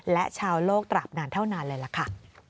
และชาวโลกตราบนานเท่านานเลยล่ะค่ะ